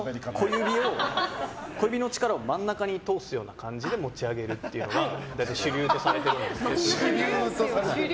小指の力を真ん中に通すようにして持ち上げるっていうのが主流とされてるんですけど。